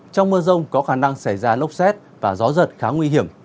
trong mưa rông có khả năng xảy ra lốc xét và gió giật khá nguy hiểm